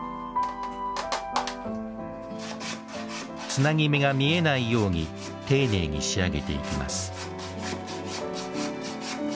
つなぎ目が見えないように丁寧に仕上げています。